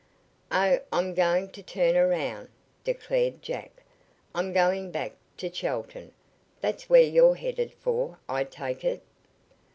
"Oh, I'm going to turn around," declared Jack. "I'm going back to Chelton. That's where you're headed for, I take it?"